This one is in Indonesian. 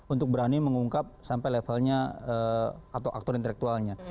untuk berani mengungkap sampai levelnya atau aktor intelektualnya